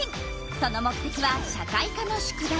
その目てきは社会科の宿題。